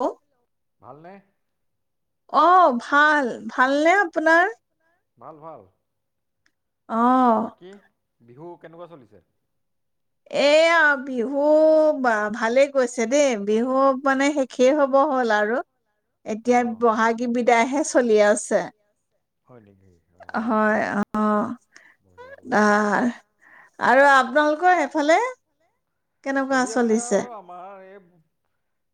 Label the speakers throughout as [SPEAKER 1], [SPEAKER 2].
[SPEAKER 1] হ।
[SPEAKER 2] ভাল নে?
[SPEAKER 1] অ ভাল ভালনে আপোনাৰ
[SPEAKER 2] ভাল ভাল। বাকী? বিহু কেনেকুৱা চলিছে?
[SPEAKER 1] এয়া বিহু ভালেই গৈছে দেই, বিহু মানে শেষেই হব হ'ল আৰু। এতিয়া বহাগী বিদায় হে চলি আছে। হয় আহ তাৰ আৰু আপোনালোকৰ সেইফালে?
[SPEAKER 2] চলি আছে আৰু, আমাৰ এই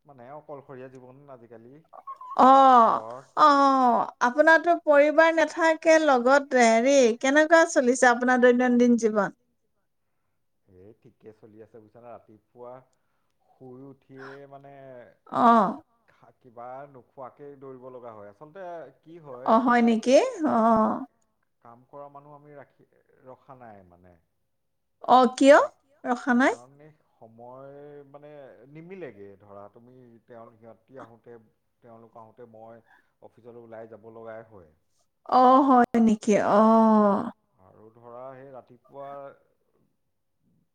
[SPEAKER 2] মানে অকল- ঘৰীয়া জীৱন আজি
[SPEAKER 1] অ' অ' আপোনাৰতো পৰিবাৰ নাথাকে লগতে হেৰি কেনেকুৱা চলিছে আপোনাৰ দৈনন্দিন জীৱন?
[SPEAKER 2] এ ঠিকে চলি আছে বুজিছ না ৰাতিপুৱা শুই উঠিয়ে মানে কিবা নোখোৱাকে দৌৰিব লগা হয়। আচলতে
[SPEAKER 1] অ' হয় নেকি? অ,
[SPEAKER 2] কাম কৰা মানুহ আমি ৰাখি ৰখা নাই মানে
[SPEAKER 1] অ' কিয় ৰখা নাই?
[SPEAKER 2] সময় মানে নিমিলেগে, ধৰা তুমি তেওঁ সিহঁতি আহোতে তেওঁলোক আহোতে মই অফিচলৈ ওলাই যাব লগাই হয়।
[SPEAKER 1] অ' হয় নেকি, অ'
[SPEAKER 2] আৰু ধৰা সেই ৰাতিপুৱা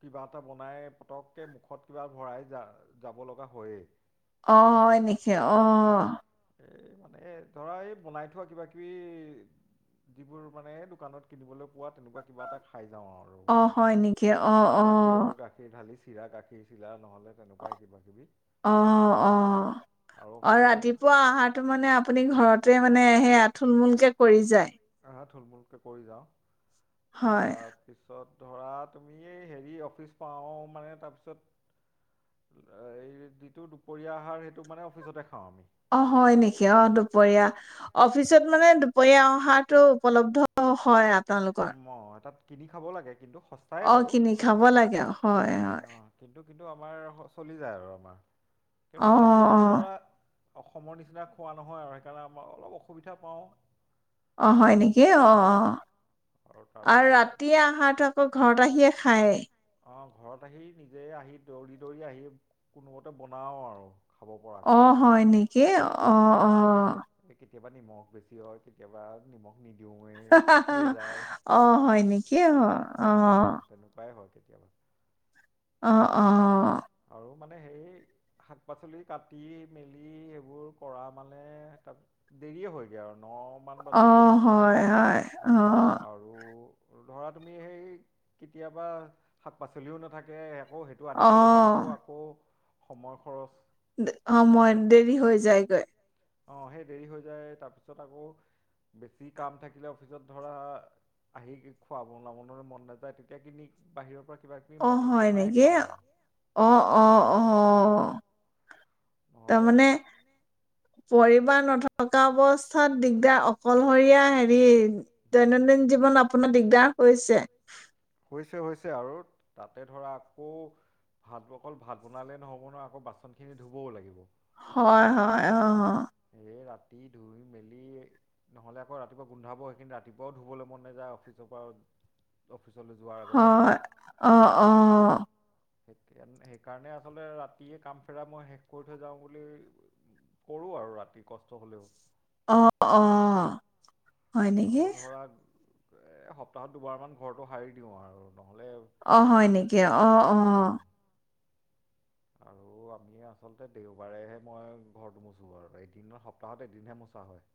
[SPEAKER 2] কিবা এটা বনাই পতককে মুখত কিবা ভৰাই যা যাব লগা হয়য়ে?
[SPEAKER 1] অ'হয় নেকি অ'
[SPEAKER 2] এই মানে ধৰা, এই বনাই থোৱা কিবা কিবি যিবোৰ মানে দোকানত কিনিবলৈ পোৱা তেনেকুৱা কিবা এটা খাই আৰু গাখীৰ আৰু গাখীৰ ঢালি চিৰা গাখীৰ চিৰা
[SPEAKER 1] অ' অ' অ' ৰাতিপুৱা অহাৰ তটো মানে আপুনি ঘৰতে মানে সেই আঁ ঠুল মূুল কে কৰি যায়।
[SPEAKER 2] থুলমূুলকে কৰি যাওঁ।
[SPEAKER 1] হয়।
[SPEAKER 2] ধৰা তুমি এই হেৰি অফিচ পাওঁ মানে তাৰপিছত, এই যিটো দুপৰীয়া আহাৰ সেইটো মানে অফিচতে খাওঁ আমি।
[SPEAKER 1] অ' হয় নেকি, অ' দুপৰীয়া অফিচত মানে দুপৰীয়া অহাটো উপলব্ধ হয় আ
[SPEAKER 2] [unintelligible] কিনি খাব লাগে, কিন্তু সচাই বাৰু, কিন্তু-কিন্তু আমাৰ চলি যায় [unintelligible] আৰু আমাৰ। তথাপিও আৰু ধৰা অসমৰ নিচিনা খোৱা নহয় আৰু, সেইকাৰণে আমাৰ অলপ অসুবিধা পাওঁ।
[SPEAKER 1] অ', হয় নেকি? অ', অ'। আৰু ৰাতিয আহাৰটো আকৌ ঘৰত আহি খায়।
[SPEAKER 2] অ', ঘৰত আহি নিজে আহি দৌৰি দৌৰি আহি, কোনোমতে বনাওঁ আৰু।
[SPEAKER 1] অ', হয় নেকি? অ'। অ'।
[SPEAKER 2] কেতিয়াবা নিমখ বেছি হয়, কেতিয়াবা নিমখ নিদি
[SPEAKER 1] হাহাহা অ হয় নেকি অ অহ
[SPEAKER 2] [inaudible]
[SPEAKER 1] অ', - অ',
[SPEAKER 2] আৰু মানে সেই শাক পাচলি কাটি মেলি সেইবোৰ কৰা মানে তাৰ দেৰিয়ে হয়গৈ আৰু ন।
[SPEAKER 1] অ ', হয় -হয়
[SPEAKER 2] আৰু ধৰা তুমি সেই কেতিয়াবা শাক পাচলিও নাথাকে আকৌ সেইটো আনিবলৈ যাওঁতেও আকৌ সময় খৰচ।
[SPEAKER 1] দে, অ ', মই দেৰি হৈ যায়গৈ।
[SPEAKER 2] অ', সেই দেৰি হৈ যায় তাৰ পিছত আকৌ বেছি কাম থাকিলে অফিচত ধৰা আহি খোৱা-বনোৱাব মন নাযায় তেতিয়া কি ঠিক বাহিৰৰ পৰা।
[SPEAKER 1] অ', হয় নেকি অ -অ -অ তাৰ মানে। পৰিবাৰ নথকা অৱস্থাত দিগদাৰ অকলশৰীয়া হেৰি দৈনন্দিন জীৱন আপোনাৰ দিগদাৰ হৈছে।
[SPEAKER 2] হৈছে- হৈছে আৰু তাতে ধৰা আকৌ ভাত অকল ভাত বনালে নহ'ব নহয় আকৌ বাচন খিনি ধুবও লাগিব।
[SPEAKER 1] হয়- হয় অ', - অ',
[SPEAKER 2] এ', ৰাতি ধুই মেলি নহলে আকৌ ৰাতিপুৱা গোন্ধাব সেইখিনি ৰাতিপুৱাও ধুবলৈ মন নাযায় অফিচৰ পৰা।
[SPEAKER 1] হয়, অ', - অ',
[SPEAKER 2] সেইকাৰণে আচলতে ৰাতিয়ে কাম ফেৰা মই শেষ কৰি থৈ যাও বুলি কৰো আৰু ৰাতি কষ্ট হলেও।
[SPEAKER 1] অ', - অ', হয়, নেকি?
[SPEAKER 2] এই সপ্তাহত দুবাৰমান ঘৰটো সাৰি দিওঁ আৰু।
[SPEAKER 1] অ', হয় নেকি? অ', - অ',
[SPEAKER 2] আৰু আমি আচলতে দেওবাৰেহে মই ঘৰটো মোচো আৰু এদিন সপ্তাহত এদিনহে মোচা হয়।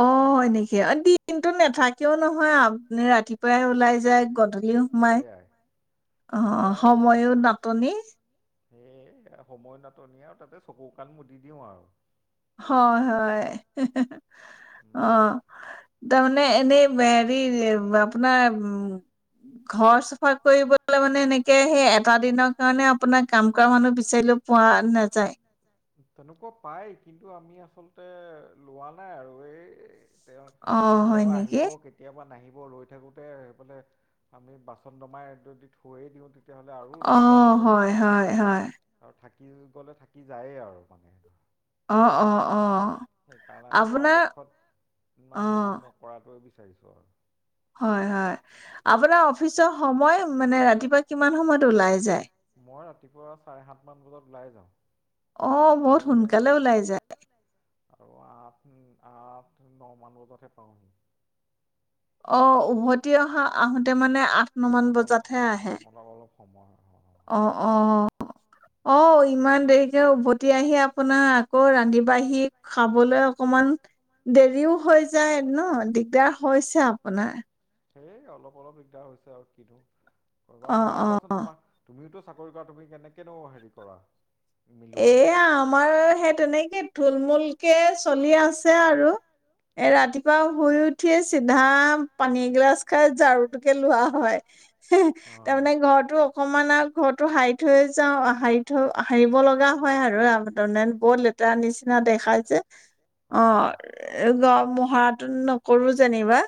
[SPEAKER 1] অ', হয় নেকি অ', দিনতটো নেথাকেও নহয় আপুনি ৰাতিপুৱাই ওলাই যায়। গধূলি লিও সোমাই অ', সময়ো নাটনি
[SPEAKER 2] সেই সময় নাটনি আৰু তাতে চকু কাল মুদি দিওঁ আৰু
[SPEAKER 1] হয় -হয় হি- হি। অ', তাৰমানে এনেই হেৰি আপোনাৰ ঘৰ চাফা কৰিবলে মানে এনেকে সেই এটা দিনৰ কাৰণে আপোনাৰ কাম কৰা মানুহ বিচ বিচাৰিলে পোৱা নাযায়।
[SPEAKER 2] তেনেকুৱা পায় কিন্তু আমি আচলতে লোৱা নাই আৰু এই। তেওঁ কেতিয়াবা আহিব কেতিয়াবা নাহিব। ৰৈ থাকোতে বোলে আমি বাচন দমাই যদি থৈয়ে দিওঁ।
[SPEAKER 1] অ', হয় -হয় -হয়
[SPEAKER 2] আৰু থাকি গ'লে থাকি যায়ে আৰু মানে স
[SPEAKER 1] অ - অ - অ
[SPEAKER 2] সেইকাৰণে আমি পৰাপক্ষত মানে হেৰি নকৰাটোৱে। বিচাৰিছো আৰু
[SPEAKER 1] হয় হয় আপোনাৰ অফিচৰ সময় মানে ৰাতিপুৱা কিমান সময়ত ওলাই যায়
[SPEAKER 2] মই ৰাতিপুৱা চাৰে সাত মান বজাত ওলাই যাওঁ
[SPEAKER 1] আহ বহুত সোনকালে ওলাই যায়
[SPEAKER 2] আৰু আঠ আঠ ন মান বজাতহে পাওঁ আমি
[SPEAKER 1] অ উভতি অহা আহোতে মানে আঠ নমানান বজাতহে আহে
[SPEAKER 2] সময় হয়
[SPEAKER 1] অ অ অ ইমান দেৰিকে উভতি আহি আপোনাৰ আকৌ ৰান্ধি বাঢ়ি খাবলৈ অকমান দেৰিও হৈ যায় ন দিগদাৰ হৈছে আপোনাৰ
[SPEAKER 2] সেই অলপ অলপ দিগদাৰ হৈছে আৰু কিনো বাৰু তোমাৰ কোৱাচোন তোমাৰ তুমিওটো চাকৰি কৰা তুমি কেনেকোনো হেৰি তৰা
[SPEAKER 1] এয়া আমাৰ সেই তেনেকে থুলমূুলকে চলি আছে আৰু এ ৰাতিপুৱা শুই উঠি চিধা পানীগিলাচ খাই ঝাৰুটোকে লোৱা হয় তাৰমানে ঘৰৰতটো অকমান আৰু ঘৰতো হাই থৈ যাওঁ সৰি থৈ সাৰিব লগাআহিব লগা লগা হয় আৰু আধাতে লেতেৰা নিচিনা দেখাইছে অ এ গ ভ়টো নকৰো যেনিবা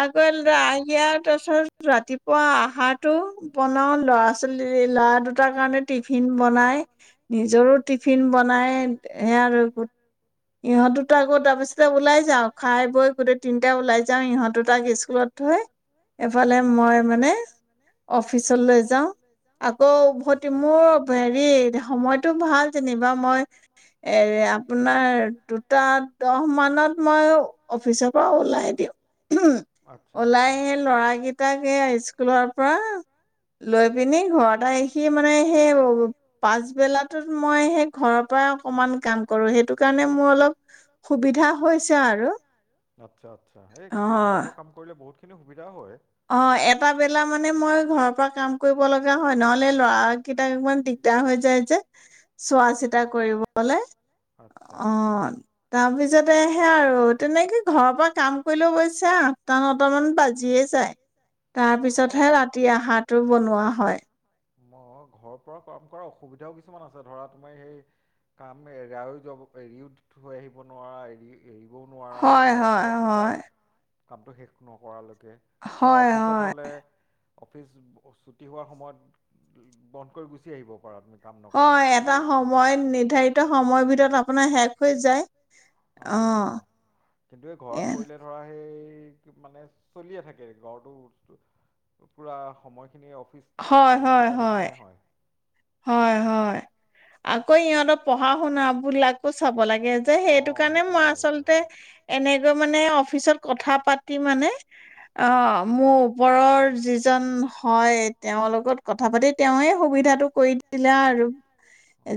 [SPEAKER 1] আগিয়াৰ তাৰছত ৰাতিপুৱা আহাৰটো বনাও লৰা ছোৱালী লৰা দুটাৰ কাৰণে টিফিন বনাই নিজৰো টিফিন বনাই সে আৰু গ ইহঁততো আকৌ তাৰপিছতে ওলাই যাও খাই বৈ গোটেই তিনটা ওলাই যাওঁ ইহঁতত তাক স্কুলত থৈ এফালে মই মানে অফিচত লৈ যাওঁ আকৌ উভতি মোৰ হেৰি সময়ত ভাল যেনিবা মই এ আপোনাৰ দুটা দহ মানত মই অফিচৰ পৰা ওলাই দিওঁ ওলাইহে লৰাৰাকেইটাকে স্কুলৰ পৰা লৈ পিনি ঘৰতে আহ সি মানে সেই পাছবেলাত মই সেই ঘৰৰ পৰা অকমান কাম কৰো সেইটো কাৰণে মোৰ অলপ সুবিধা হৈছে আৰু অ
[SPEAKER 2] বহুতিনি সুবিধা হয়
[SPEAKER 1] অ এটা বেলা মানে মই ঘৰৰ পৰা কাম কৰিব লগা হয় নহ'লে ল'ৰা কেইটাক অকমান দিগদাৰ হৈ যায় যে চোৱা চিতা কৰিবলে অ তাৰপিছতে সে আৰু তেনেকে ঘৰৰ পৰা কাম কৰিলেো অৱশ্যে আঠটা নটা মান বাজিয়ে যায় তাৰপিছতহে ৰাতি আহাৰটো বনোৱা হয়
[SPEAKER 2] মই ঘৰৰ পৰা কাম কৰা অসুবিধাও কিছুমান আছে ধৰা তোমাৰ সেই কাম এৰায় যাব এৰিও থৈ আহিব নোৱাৰা এৰি এৰিবও নোৱাৰা ধৰা ঘৰত থকাৰ কামটো শেষ নকৰালৈক ধৰ অফিচ পিছত হলে অফিচ ছুটি হোৱাৰ সময়ত বন্ধ কৰি গুচি আহিব পাৰা তুম
[SPEAKER 1] হয় এটা সময় নিৰ্ধাৰিত সময়ৰ ভিতৰত আপোনাৰ শেষ হৈ যায় আহ এ
[SPEAKER 2] মানে চলিয়ে থাকে ঘৰটো পুৰা সময় খিনি অফিচ চলি থকা নিচিনাই হয়
[SPEAKER 1] হয় হয় আকৌ ইহঁতৰ পঢ়া শুনা বিলাকো চাব লাগে যে সেইটো কাৰণে মই আচলতে এনেকৈ মানে অফিচত কথা পাতি মানে অ মোৰ ওপৰৰ যিজন হয় তেওঁৰ লগত কথা পাতি তেওঁয়েই সুবিধাটো কৰি দিলা আৰু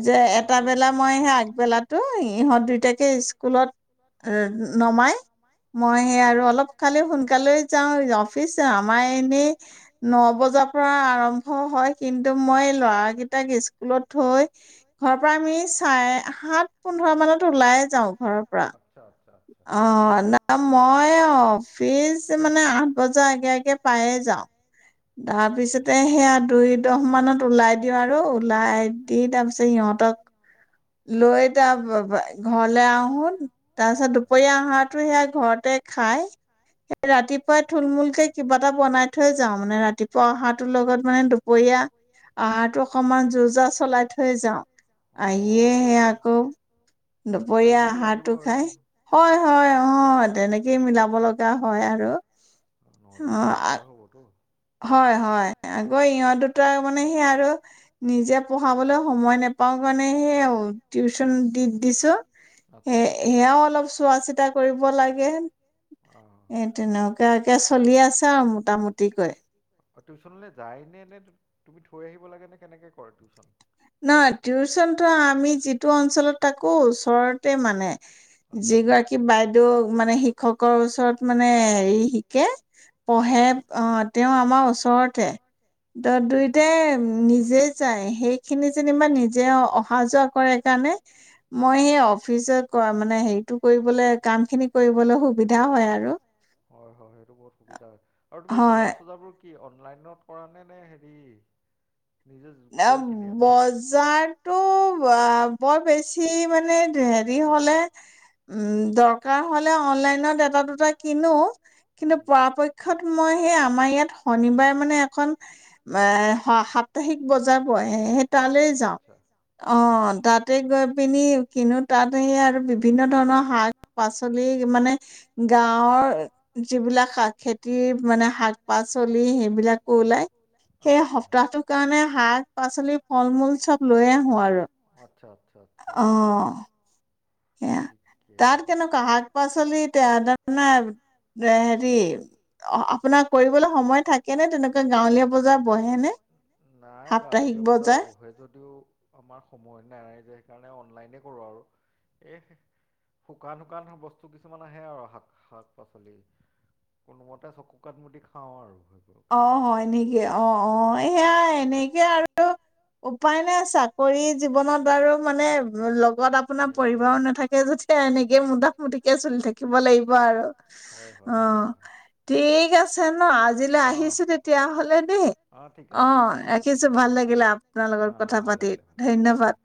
[SPEAKER 1] যে এটা বেলা মই সেই আগবেলাতো ইহঁত দুইটাকে স্কুলত নমাই মই সেই আৰু অলপ খালি সোনকালে যাওঁ অফিচ আমাৰ এনেই ন বজাৰ পৰা আৰম্ভ হয় কিন্তু মই ল'ৰা তাক স্কুলত থৈ ঘৰৰ পৰা আমি চাৰে সাত পোন্ধৰ মানত ওলাই যাওঁ ঘৰৰ পৰা অ ন মই অফিচ মানে আঠ বজাৰ আগে আগে পায়ে যাওঁ তাৰপিছতে সেয়া দুই দহ মানত ওলাই দিওঁ আৰু ওলাই দি তাৰপিছত সিহঁতক লৈ তাৰ ঘৰলে আহন তাৰ পিছত দুপৰীয়া আহাৰতটো সেয়া ঘৰতে খাই সেই ৰাতিপুৱাই থুলমূলকে কিবা এটা বনাই থৈ যাওঁ মানে ৰাতিপুৱা আহাৰটোৰ লগত মানে দুপৰীয়া আহাৰতটো অকণমান যোৰ যাৰ চলাই থৈ আহ যিয়েহে আকৌ দুপৰীয়া আহাৰটো খাই হয় হয় অ তেনেকে মিলাব লগা হয় আৰু
[SPEAKER 2] অ নহলে দিগদাৰ হবতো
[SPEAKER 1] হয় হয় আগৰ ইহঁত দুট মানে সি আৰু নিজে পঢ়াবলৈ সময় নোপাও কাৰণে সে টিউচন দি দিছো সে সেয়াও অলপ চোৱা চিতা কৰিব লাগে এ তেনেকুৱাকে চলি আছে আৰু মোটামুটিকৈ
[SPEAKER 2] টিউচনলৈ যায় নে নে তুমি থৈ আহিব লাগে নে কেনেকে কৰ টিউচন
[SPEAKER 1] নহয়, টিউচনতো আমি যিটো অঞ্চলত থাক আকৌ ওচৰতে মানে? যিগৰাকী বাইদেউ মানে, শিক্ষকৰ ওচৰত মানে, হেৰি শিকে পঢ়ে আ' তেওঁ আমাৰ ওচৰতে ত' দুয়োটাই নিজে যায় সেই খিনি যেনিবা নিজে অহা যোৱা কৰে কাৰণে মই সেই অফিচত মানে হেৰিটো কৰিবলৈ কাম খিনি কৰিবলৈ সুবিধা হয় আৰু
[SPEAKER 2] আৰু তুমি, বজাৰ চজাবোৰ কি, অনলাইনত কৰা নে, নে হেৰি
[SPEAKER 1] [unintelligible] বৰ বেছি, মানে হেৰি হ'লে ও! দৰকাৰ হ'লে, অনলাইনত এটা দুটা কিনো। কিন্তু, পৰাপক্ষত মই সেই আমাৰ ইয়াত শনিবাৰ মানে, এখন এ' সাপ্তাহিক বজাৰ বহে। তালৈ যাওঁ, অ' তাতে গৈ পিনি কিনো, তাতে সেই আৰু তালৈ বিভিন্ন ধৰণৰ শাক পাচলি মানে গাঁৱৰ যিবিলাক শাক খেতি, মানে শাক পাচলি সেইবিলাকো ওলাই সেই সপ্তাহটো কাৰণে [unintelligible] ফল মূল চব লৈ আহো আৰু অঁ! সেয়া, তাত কেনেকুৱা শাক পাচলিত তাৰমানে হেৰি আপোনাক কৰিবলে সময় থাকেনে, তেনেকুৱা গাঁৱলীয়া বজাৰ বহেনে, সাপ্তাহিক বজাৰ?
[SPEAKER 2] আমাৰ সময় নাই যে, সেইকাৰণে অনলাইনে কৰোঁ আৰু এই শুকান শুকান বস্তু কিছুমান আহে আৰু শাক পাচলি কোনোমতে চকু [unintelligible] খাওঁ আৰু!
[SPEAKER 1] অ' সৈনেকি এনেকে, অ' অ' সেয়াই এনেকে আৰু উপায় নাই, চাকৰি জীৱনত বাৰু মানে আপোনাৰ পৰিবাৰো নাথাকে, যেতিয়াও এনেক এই মুদাক মুদিকে চলি থাকিব লাগিব আৰু! অ' ঠিক আছে। [unintelligible] আজ ৰাখিছো তেতিয়া হ'লে দেই অ' ৰাখিছো, ভাল লাগিলে আপোনাৰ লগত কথা পাতি, ধন্যবাদ।